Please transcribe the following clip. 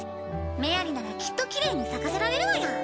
メアリならきっときれいに咲かせられるわよ。